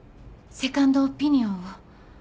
セカンドオピニオン？